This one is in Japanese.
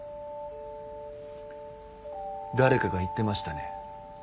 誰かが言ってましたね。